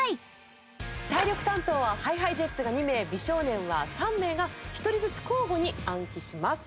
体力担当はＨｉＨｉＪｅｔｓが２名美少年は３名が１人ずつ交互に暗記します。